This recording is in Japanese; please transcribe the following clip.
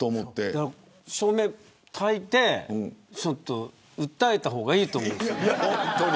だから照明たいて訴えた方がいいと思うんですよ。